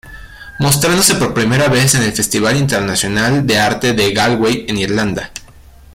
Mostrándose por primera vez en el Festival Internacional de Arte de Galway en Irlanda.